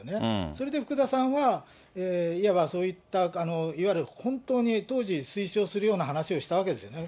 それで福田さんは、いわばそういった、いわゆる本当に当時、推奨するような話をしたわけですよね。